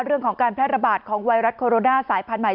เรื่องของการแพร่ระบาดของไวรัสโคโรนาสายพันธุ์ใหม่